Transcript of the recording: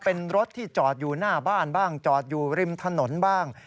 เป็นรถที่จอดอยู่หน้าบ้านบ้างจอดอยู่ริมถนนบ้าง